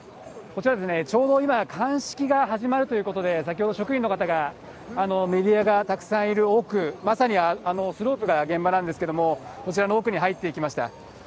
こちら、ちょうど今、鑑識が始まるということで、先ほど職員の方が、メディアがたくさんいる奥、まさにあのスロープが現場なんですけれども、こちらの奥に入っていきました。